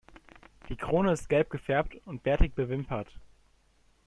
Die Krone ist gelb gefärbt und bärtig bewimpert.